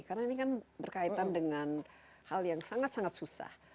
karena ini kan berkaitan dengan hal yang sangat sangat susah